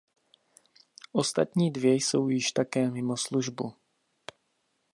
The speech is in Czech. Ostatní dvě jsou již také mimo službu.